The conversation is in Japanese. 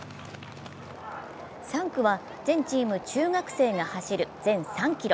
３区は全チーム中学生が走る全３ｋｍ。